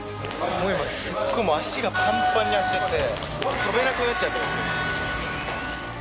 もう今すっごい足がパンパンに張っちゃって跳べなくなっちゃってます